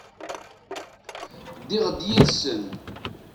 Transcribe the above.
Ddiɣ-d yid-sen.